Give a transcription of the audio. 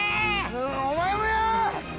お前もや！